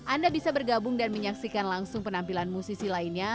anda bisa bergabung dan menyaksikan langsung penampilan musisi lainnya